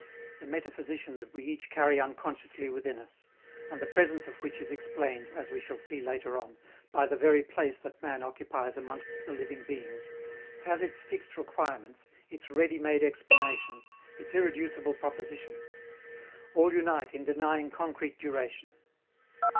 The metaphysician that we each carry unconsciously within us, and the presence of which is explained, as we shall see later on, by the very place that man occupies amongst the living beings, has its fixed requirements, its ready made explanations, its irreducible propositions: all unite in denying concrete duration.